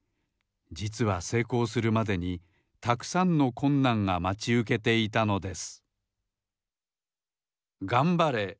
じつはせいこうするまでにたくさんのこんなんがまちうけていたのです